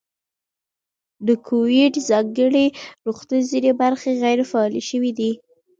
د کوویډ ځانګړي روغتون ځینې برخې غیر فعالې شوې دي.